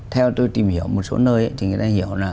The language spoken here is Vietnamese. theo tôi tìm hiểu một số nơi thì người ta hiểu là